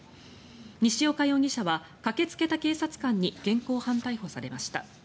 西岡容疑者は駆けつけた警察官に現行犯逮捕されました。